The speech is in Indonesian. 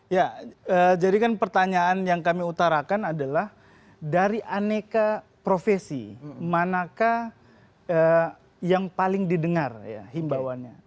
ya jadi kan pertanyaan yang kami utarakan adalah dari aneka profesi manakah yang paling didengar ya himbauannya